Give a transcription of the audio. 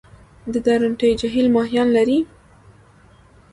د درونټې جهیل ماهیان لري؟